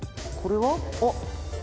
これは？あっ！